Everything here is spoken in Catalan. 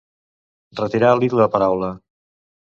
Retirar-li la paraula.